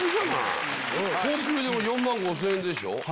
高級で４万５０００円でしょ。